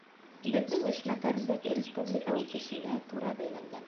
— Беҙҙең эшмәкәрлек республика үҫешенә тура бәйләнгән.